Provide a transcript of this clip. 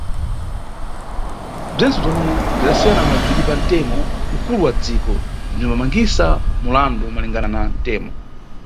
Bzentse bzomwe bzidasiyana na bziri pantemo ukulu wa dziko bzimbamangisa mulandu malingana na ntemo.